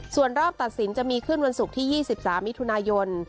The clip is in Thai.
ส่วนรอบตัดสินจะมีขึ้นวันศุกร์ที่๒๓มิถุนายน